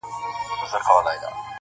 ستاسو خوږو مینوالو سره شریکوم،